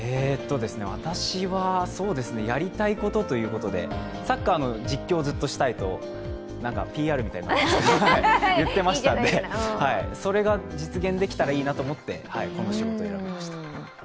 私は、やりたいことということでサッカーの実況をずっとしたいとなんかＰＲみたいですが、言ってましたんでそれが実現できたらいいなと思ってこの仕事を選びました。